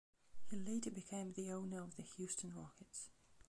He later became the owner of the Houston Rockets.